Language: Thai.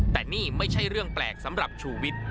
แต่นี่ไม่ใช่เรื่องแปลกสำหรับชูวิทย์